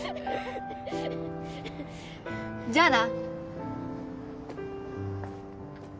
じゃあな